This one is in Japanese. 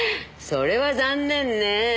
それは残念ねえ。